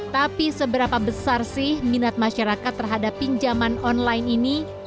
tapi seberapa besar sih minat masyarakat terhadap pinjaman online ini